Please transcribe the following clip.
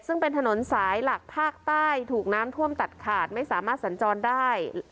ซึ่งเป็นถนนสายหลักภาคใต้ถูกน้ำท่วมตัดขาดไม่สามารถสัญจรได้